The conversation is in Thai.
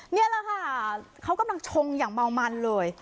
นี่แหละค่ะเขากำลังชงอย่างเมามันเลย